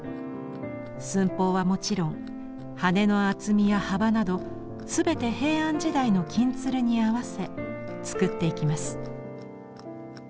寸法はもちろん羽の厚みや幅など全て平安時代の金鶴に合わせ作っていきます。